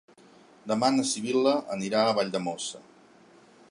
Demà na Sibil·la anirà a Valldemossa.